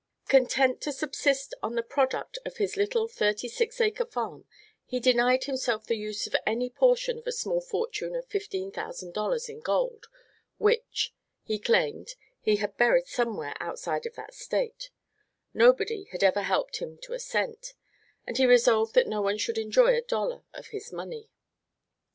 Content to subsist on the product of his little thirty six acre farm, he denied himself the use of any portion of a small fortune of $15,000 in gold which, he claimed, he had buried somewhere outside of that state; nobody had ever helped him to a cent, and he resolved that no one should enjoy a dollar of his money.